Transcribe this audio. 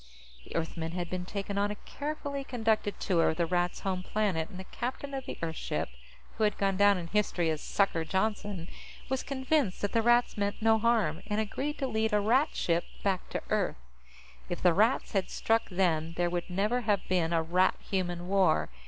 The Earthmen had been taken on a carefully conducted tour of the Rats' home planet, and the captain of the Earth ship who had gone down in history as "Sucker" Johnston was convinced that the Rats meant no harm, and agreed to lead a Rat ship back to Earth. If the Rats had struck then, there would never have been a Rat Human War.